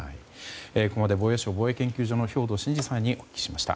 ここまで防衛省防衛研究所の兵頭慎治さんにお聞きしました。